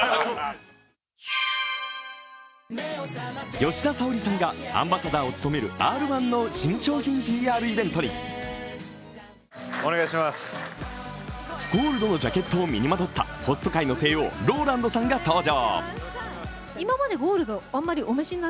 吉田沙保里さんがアンバサダーを務めるＲ−１の新商品ＰＲイベントにゴールドのジャケットを身にまとったホスト界の帝王、ＲＯＬＡＮＤさんが登場。